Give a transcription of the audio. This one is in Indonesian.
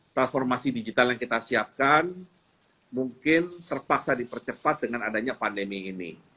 transformasi digital yang kita siapkan mungkin terpaksa dipercepat dengan adanya pandemi ini